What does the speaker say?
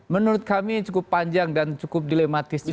menurut kami cukup panjang dan cukup dilematis juga